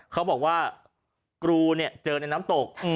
เขาบอกว่ากรูเนี่ยเจอในน้ำตก